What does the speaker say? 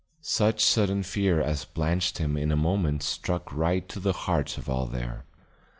Such sudden fear as blanched him in a moment struck right to the hearts of all there.